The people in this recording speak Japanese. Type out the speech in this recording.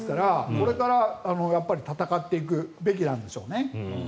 これから、やっぱり戦っていくべきなんでしょうね。